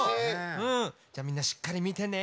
じゃあみんなしっかり見てね。